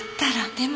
でも